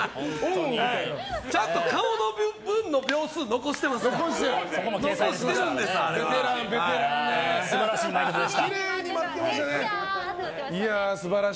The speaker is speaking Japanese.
ちゃんと顔の分の秒数を残していますから。